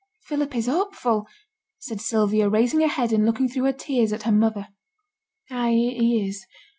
'Philip is hopeful,' said Sylvia, raising her head and looking through her tears at her mother. 'Ay, he is.